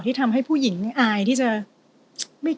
ที่ทำให้ผู้หญิงอายที่จะ